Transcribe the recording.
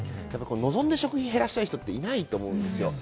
望んで食費を減らした人、いないと思うんですよ。